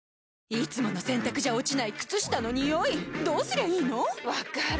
いつもの洗たくじゃ落ちない靴下のニオイどうすりゃいいの⁉分かる。